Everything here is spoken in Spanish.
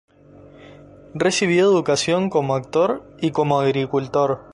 Recibió educación como actor y como agricultor.